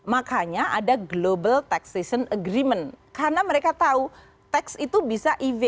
makanya ada global taxation agreement karena mereka tahu tax itu bisa even